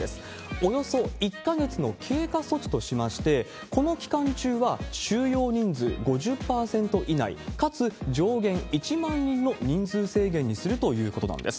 およそ１か月の経過措置としまして、この期間中は収容人数５０％以内、かつ上限１万人の人数制限にするということなんです。